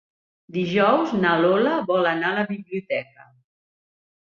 Dijous na Lola vol anar a la biblioteca.